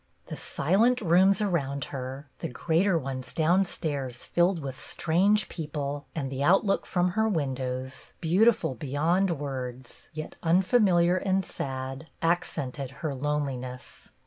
The silent rooms around her, the greater ones down stairs filled with strange people, and the outlook from her windows, beautiful be yond words, yet unfamiliar and sad, accented her loneliness.